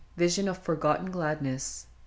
vision of forgotten gladness !